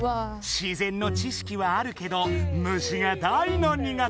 自然の知識はあるけど虫が大の苦手。